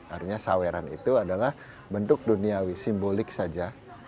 artinya saweran itu adalah bentuk duniawi simbolik saja